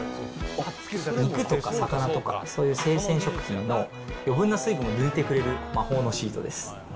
肉とか魚とか、そういう生鮮食品の余分な水分を抜いてくれる魔法のシートです。